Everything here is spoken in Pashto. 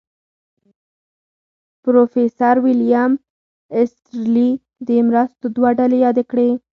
پروفیسر ویلیم ایسټرلي د مرستو دوه ډلې یادې کړې.